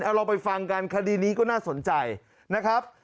เอาเราไปฟังกันคดีนี้ก็น่าสนใจนะครับ